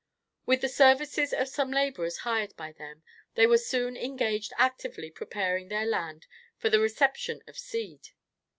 With the services of some laborers hired by them, they were soon engaged actively preparing their land for the reception of seed.